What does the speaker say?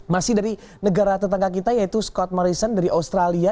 masih dari negara tetangga kita yaitu scott morrison dari australia